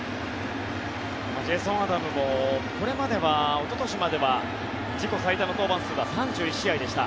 ジェーソン・アダムもこれまではおととしまでは自己最多の登板数は３１試合でした。